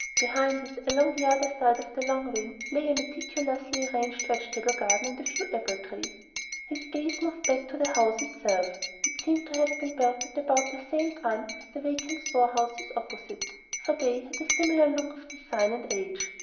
Behind it, along the other side of the long wing, lay a meticulously arranged vegetable garden and a few apple trees. His gaze moved back to the house itself. It seemed to have been built at about the same time as the vacant storehouses opposite, for they had a similar look of design and age.